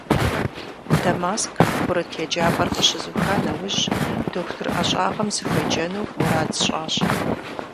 Дамаск курыт еджапӀэр къыщызуха нэужь, дохутыр ӀэщӀагъэм сыхуеджэну мурад сщӀащ.